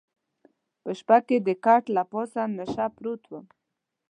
په شپه کې د کټ له پاسه نشه پروت وم.